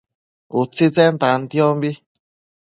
utsitsen tantiombi